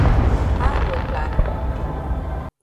Água Clara